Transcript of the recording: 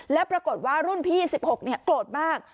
และปรากฏว่ารุ่นพี่๑๖เนี่ยโกรธมาก